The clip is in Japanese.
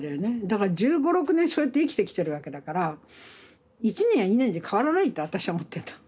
だから１５１６年そうやって生きてきてるわけだから１年や２年じゃ変わらないって私は思ってんだ。